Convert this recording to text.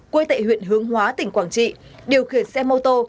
quê tại huyện hướng hóa tỉnh quảng trị điều khiển xe mô tô